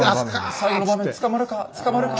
最後の場面捕まるか捕まるか。